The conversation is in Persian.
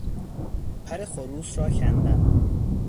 پر خروس را کندن